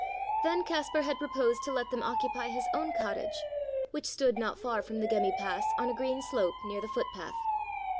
Then Kaspar had proposed to let them occupy his own cottage, which stood not far from the Gemmi Pass on a green slope near the foot path.